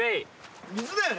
水だよね？